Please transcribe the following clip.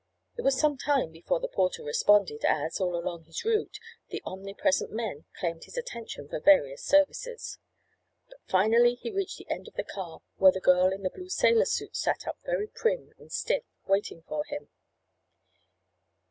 It was some time before the porter responded as, all along his route, the omnipresent men claimed his attention for various services. But finally he reached the end of the car where the girl in the blue sailor suit sat up very prim and stiff, waiting for him.